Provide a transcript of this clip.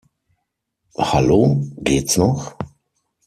Hallo, geht's noch?